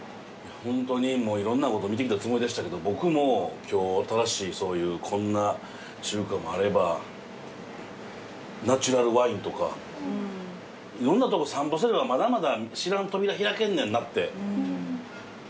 ホントにいろんなこと見てきたつもりでしたけど僕も今日新しいこんな中華もあればナチュラルワインとかいろんなとこ散歩すればまだまだ知らん扉開けんねんなって思いましたね。